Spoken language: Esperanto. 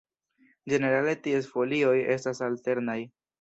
Ĝenerale ties folioj estas alternaj.